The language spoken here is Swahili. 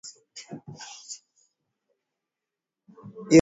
iwe sifuri wewe mama ilikuwa sifuri